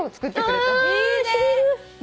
いいね！